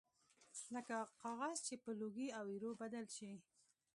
لکه کاغذ چې په لوګي او ایرو بدل شي